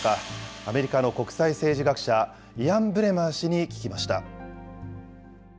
アメリカの国際政治学者、イアン・ブレマー氏に聞きました。